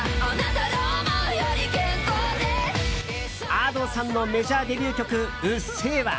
Ａｄｏさんのメジャーデビュー曲「うっせぇわ」。